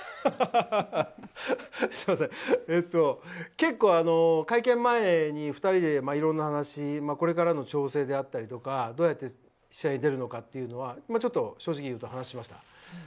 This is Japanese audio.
結構会見前に２人でいろんな話、これからの調整であったりとか、どうやって試合に出るのかなど正直、話をしました。